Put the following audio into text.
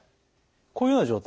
こういうような状態。